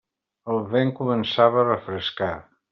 El vent començava a refrescar.